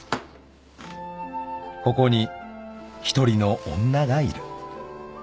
［ここに一人の女がいる］